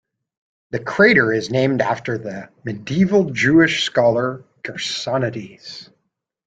The crater is named after the Medieval Jewish scholar Gersonides.